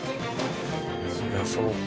そりゃそうか。